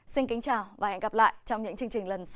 xin kính chào và hẹn gặp lại trong những chương trình lần sau